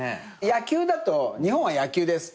野球だと日本は「野球」です。